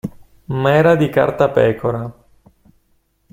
Ma era di cartapecora.